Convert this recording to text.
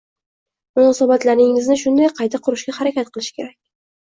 Munosabatlaringizni shunday qayta qurishga harakat qilish kerak.